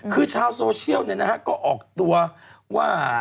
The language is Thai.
คือชาวโซเชียลเนี่ยนะฮะก็ออกตัวว่า